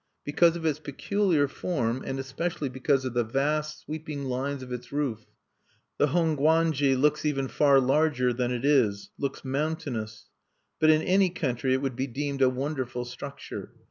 Because of its peculiar form, and especially because of the vast sweeping lines of its roof, the Hongwanji looks even far larger than it is, looks mountainous. But in any country it would be deemed a wonderful structure.